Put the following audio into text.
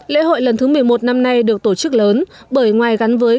lễ hội lần thứ một mươi một năm nay được tổ chức lớn bởi ngoài gắn với